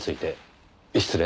失礼。